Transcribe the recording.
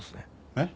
えっ？